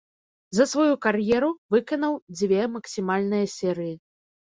За сваю кар'еру выканаў дзве максімальныя серыі.